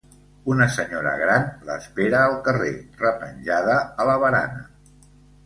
Una senyora gran l'espera al carrer, repenjada a la barana.